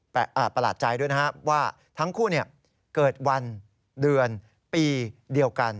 ประหลาดใจด้วยนะครับว่าทั้งคู่เกิดวันเดือนปีเดียวกัน